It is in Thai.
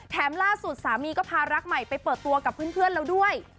ล่าสุดสามีก็พารักใหม่ไปเปิดตัวกับเพื่อนแล้วด้วย